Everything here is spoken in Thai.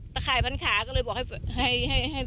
ข่ายพันขาก็เลยบอกให้